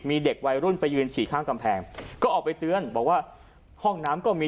มีเด็กวัยรุ่นไปยืนฉี่ข้างกำแพงก็ออกไปเตือนบอกว่าห้องน้ำก็มี